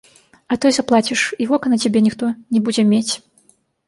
А то і заплаціш, і вока на цябе ніхто не будзе мець.